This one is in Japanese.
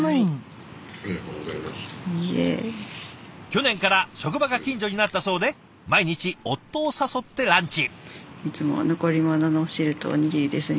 去年から職場が近所になったそうで毎日夫を誘ってランチ。